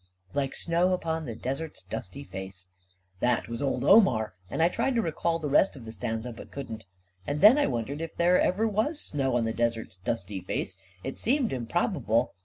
Like snow upon the desert's dusty face ••• That was old Omar, and I tried to recall the rest of the stanza, but couldn't; and then I wondered if there ever was snow on the desert's dusty face. It seemed improbable